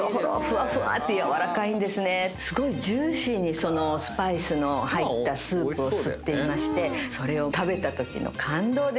すごいジューシーにスパイスの入ったスープを吸っていましてそれを。